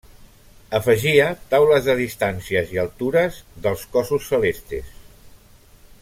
Afegia taules de distàncies i altures dels cossos celestes.